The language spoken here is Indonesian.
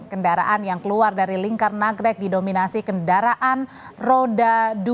kendaraan yang keluar dari lingkar nagrek didominasi kendaraan roda dua